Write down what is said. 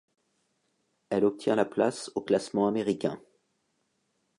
Elle obtient la place au classement américain.